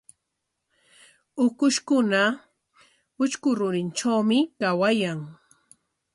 Ukushkuna utrku rurinkunatrawmi kawan.